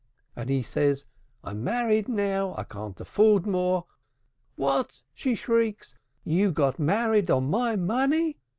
and he said, 'I'm married now. I can't afford more.' 'What!' she shrieked, 'you got married on my money!'